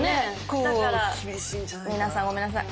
だから皆さんごめんなさい。